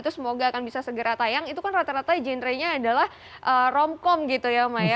semoga akan bisa segera tayang itu kan rata rata genre nya adalah rom com gitu ya oma ya